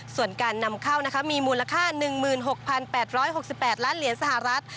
ส่วนการนำเข้ามีมูลค่า๑๖๘๖๘ล้านเหรียญสหรัฐ